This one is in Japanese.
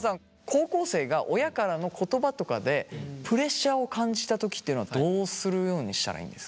高校生が親からの言葉とかでプレッシャーを感じた時っていうのはどうするようにしたらいいんですか？